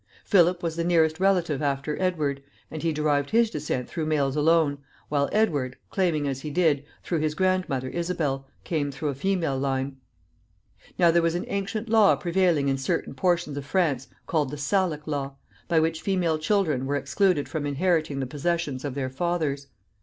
Philip was the nearest relative after Edward, and he derived his descent through males alone, while Edward, claiming, as he did, through his grandmother Isabel, came through a female line. Now there was an ancient law prevailing in certain portions of France, called the Salic law,[C] by which female children were excluded from inheriting the possessions of their fathers.